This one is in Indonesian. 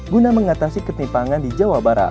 guna mengatasi ketimpangan di jawa barat